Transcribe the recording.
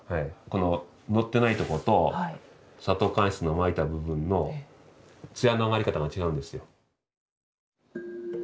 こののってない所と砂糖乾漆のまいた部分の艶のあがり方が違うんですよ。